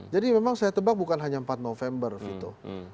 jadi memang saya tebak bukan hanya empat november vito